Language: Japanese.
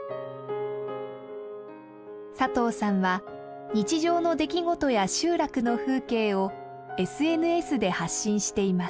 佐藤さんは日常の出来事や集落の風景をＳＮＳで発信しています。